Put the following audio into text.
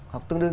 học tương đương